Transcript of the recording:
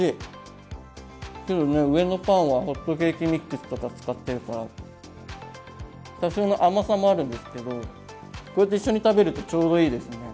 上のパンはホットケーキミックスとか使ってるから多少の甘さもあるんですけどこうやって一緒に食べるとちょうどいいですね。